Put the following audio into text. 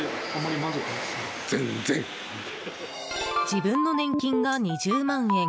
自分の年金が２０万円。